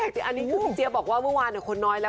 ไม่ได้แจกสิอันนี้คือพี่เจี๊ยบบอกว่าเมื่อวานเนี่ยคนน้อยแล้ว